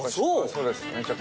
そうです。